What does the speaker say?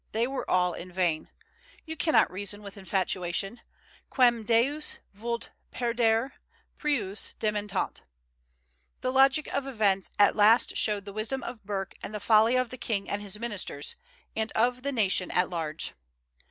They were all in vain. You cannot reason with infatuation, Quem deus vult perdere, prius dementat. The logic of events at last showed the wisdom of Burke and the folly of the king and his ministers, and of the nation at large.